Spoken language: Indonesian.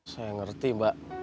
saya ngerti mbak